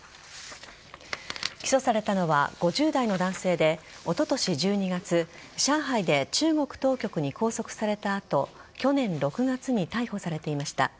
起訴されたのは５０代の男性でおととし１２月上海で中国当局に拘束された後去年６月に逮捕されていました。